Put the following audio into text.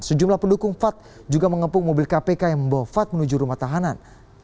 sejumlah pendukung fad juga mengepung mobil kpk yang membawa fad menuju rumah tahanan